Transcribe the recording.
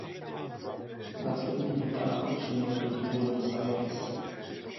Následně vytáhl přímo proti Buenos Aires.